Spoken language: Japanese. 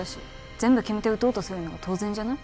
全部決めて打とうとするのは当然じゃない？